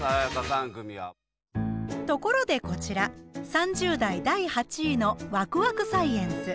ところでこちら３０代第８位の「わくわくサイエンス」。